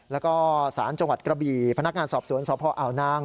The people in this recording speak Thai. แล้วก็สารจังหวัดกระบี่พนักงานสอบสวนสพอ่าวนาง